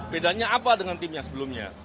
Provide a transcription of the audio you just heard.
bedanya apa dengan tim yang sebelumnya